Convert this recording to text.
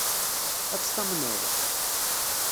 Ad tt-tamneḍ?